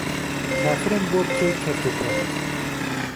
کافرم بۆ بکەی کهرت و پەرت